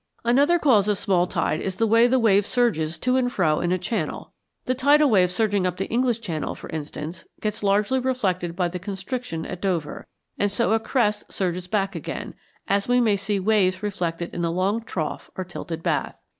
Another cause of small tide is the way the wave surges to and fro in a channel. The tidal wave surging up the English Channel, for instance, gets largely reflected by the constriction at Dover, and so a crest surges back again, as we may see waves reflected in a long trough or tilted bath.